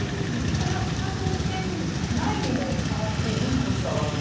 これは北朝鮮内にも伝わるでしょう。